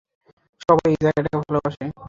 সবাই এই জায়গাটাকে ভালোবাসে।